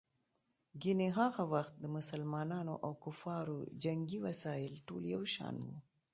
ګیني هغه وخت د مسلمانانو او کفارو جنګي وسایل ټول یو شان وو.